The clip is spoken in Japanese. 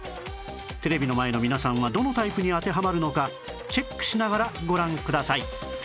テレビの前の皆さんはどのタイプに当てはまるのかチェックしながらご覧ください